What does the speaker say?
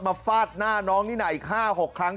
ฟาดหน้าน้องนี่นาอีก๕๖ครั้ง